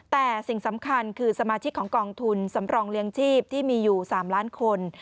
แต่สิ่งสำคัญคือสมาชิกของกองทุนสำรองเลี้ยงชีพที่มีอยู่๓ล้านคน